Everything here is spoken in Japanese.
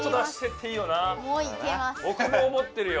ぼくも思ってるよ。